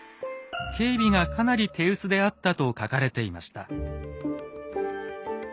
警備がかなり手薄であったと書かれていました。